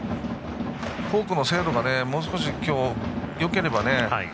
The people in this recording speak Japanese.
フォークの精度がもう少し、今日よければね。